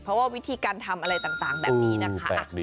เพราะว่าวิธีการทำอะไรต่างแบบนี้นะคะ